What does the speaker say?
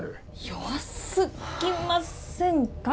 弱すぎませんか？